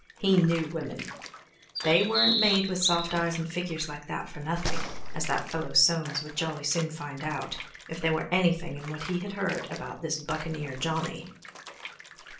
He knew women; they weren't made with soft eyes and figures like that for nothing, as that fellow Soames would jolly soon find out, if there were anything in what he had heard about this Buccaneer Johnny.